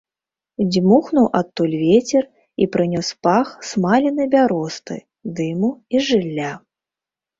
Дзьмухнуў адтуль вецер і прынёс пах смаленай бяросты, дыму і жылля.